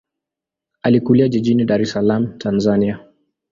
Alikulia jijini Dar es Salaam, Tanzania.